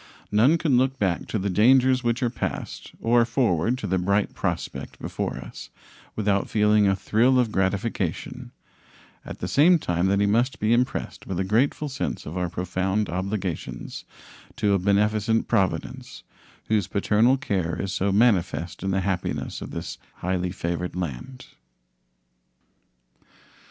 None can look back to the dangers which are passed or forward to the bright prospect before us without feeling a thrill of gratification, at the same time that he must be impressed with a grateful sense of our profound obligations to a beneficent Providence, whose paternal care is so manifest in the happiness of this highly favored land.